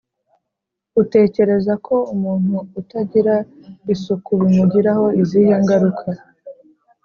Utekereza ko umuntu utagira isuku bimugiraho izihe ngaruka?